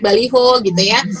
baliho gitu ya